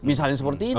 misalnya seperti itu